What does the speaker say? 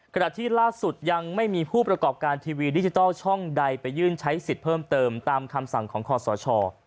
ขณะที่ล่าสุดยังไม่มีผู้ประกอบการทีวีดิจิทัลช่องใดไปยื่นใช้สิทธิ์เพิ่มเติมตามคำสั่งของคอสช